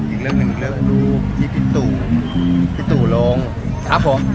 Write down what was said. อีกเรื่องหนึ่งคือดูที่พิถุลง